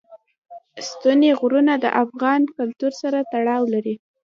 ستوني غرونه د افغان کلتور سره تړاو لري.